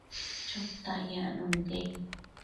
Chotac yacno nidebi